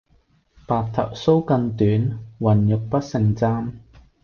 白頭搔更短，渾欲不勝簪。